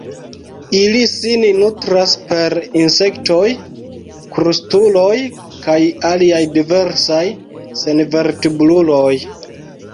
Ili sin nutras per insektoj, krustuloj kaj aliaj diversaj senvertebruloj.